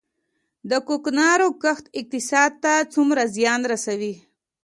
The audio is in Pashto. د کوکنارو کښت اقتصاد ته څومره زیان رسوي؟